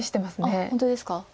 あっ本当ですか。